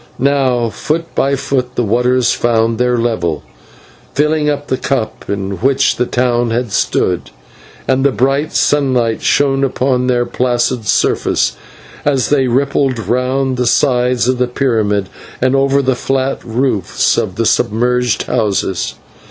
Now foot by foot the waters found their level, filling up the cup in which the town had stood, and the bright sunlight shone upon their placid surface as they rippled round the sides of the pyramid and over the flat roofs of the submerged houses.